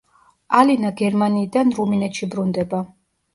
ალინა გერმანიიდან რუმინეთში ბრუნდება.